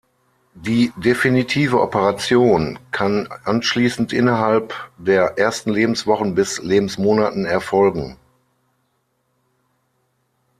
Die definitive Operation kann anschließend innerhalb der ersten Lebenswochen bis Lebensmonaten erfolgen.